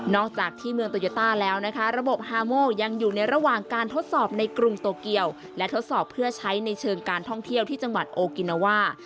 จากที่เมืองโตโยต้าแล้วนะคะระบบฮาโมยังอยู่ในระหว่างการทดสอบในกรุงโตเกียวและทดสอบเพื่อใช้ในเชิงการท่องเที่ยวที่จังหวัดโอกินาว่า